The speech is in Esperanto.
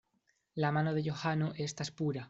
La mano de Johano estas pura.